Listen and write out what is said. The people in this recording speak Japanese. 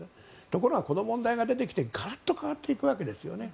ところが、この問題が出てきてガラッと変わっていくわけですね。